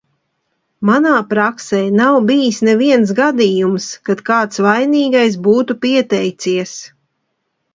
Manā praksē nav bijis neviens gadījums, kad kāds vainīgais būtu pieteicies.